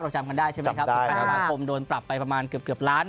เราจำกันได้ใช่ไหมครับจำได้นะครับสุดท้ายพระคมโดนปรับไปประมาณเกือบล้าน